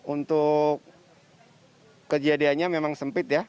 untuk kejadiannya memang sempit ya